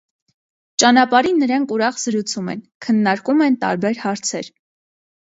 Ճանապարհին նրանք ուրախ զրուցում են, քննարկում են տարբեր հարցեր։